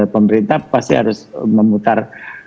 pemerintah pasti harus memutar